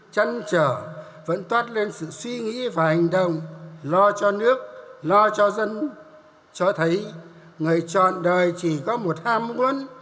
trăn trở vẫn toát lên sự suy nghĩ và hành động lo cho nước lo cho dân cho thấy người chọn đời chỉ có một ham muốn